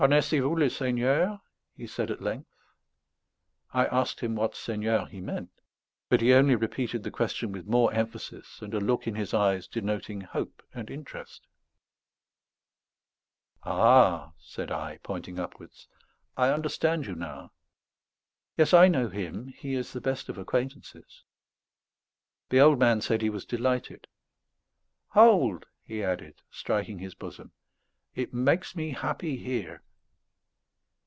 "Connaissez vous le Seigneur?" he said at length. I asked him what Seigneur he meant; but he only repeated the question with more emphasis and a look in his eyes denoting hope and interest. "Ah," said I, pointing upwards, "I understand you now. Yes, I know Him; He is the best of acquaintances." The old man said he was delighted. "Hold," he added, striking his bosom; "it makes me happy here."